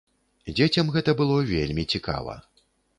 Дзецям гэта было вельмі цікава.